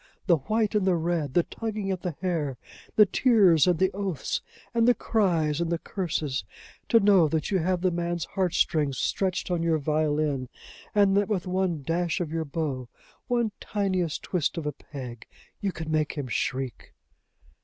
the white and the red! the tugging at the hair! the tears and the oaths, and the cries and the curses! To know that you have the man's heart strings stretched on your violin, and that with one dash of your bow, one tiniest twist of a peg, you can make him shriek!"